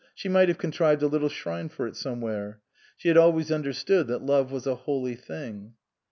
She might have contrived a little shrine for it somewhere ; she had always understood that love was a holy thing.